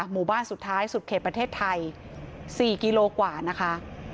หมู่บ้านสุดท้ายสุดเขตประเทศไทย๔กิโลกว่านะคะ